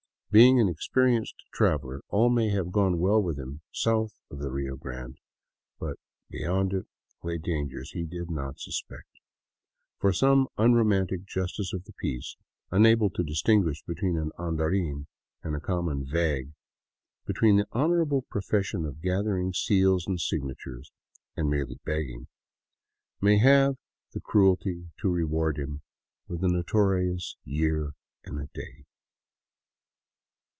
Being an experienced traveler, all may have gone well with him south of the Rio Grande. But beyond it lay dangers he did not suspect; for some unromantic justice of the peace, unable to distinguish between an " andarin " and a common " vag," between the honorable profession of gathering seals and signatures, and mere begging, may have the cruelty to reward him with the no torious " year and a day."